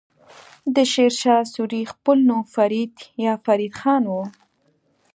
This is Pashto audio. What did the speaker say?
د شير شاه سوری خپل نوم فريد يا فريد خان وه.